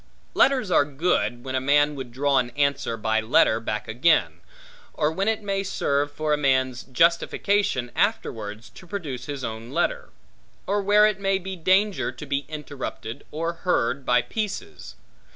Letters are good, when a man would draw an answer by letter back again; or when it may serve for a man's justification afterwards to produce his own letter; or where it may be danger to be interrupted, or heard by pieces.